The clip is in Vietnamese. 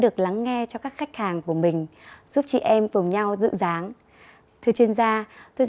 lượng chất sơ cần thiết